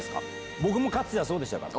僕もかつてはそうでしたから。